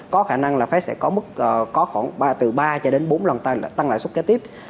có khả năng là fed sẽ có mức từ ba cho đến bốn lần tăng lãi xuất kế tiếp